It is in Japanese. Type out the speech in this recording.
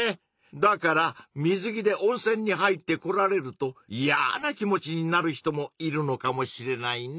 だから水着で温泉に入ってこられるといやな気持ちになる人もいるのかもしれないね。